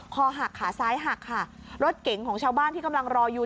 คอหักขาซ้ายหักค่ะรถเก๋งของชาวบ้านที่กำลังรออยู่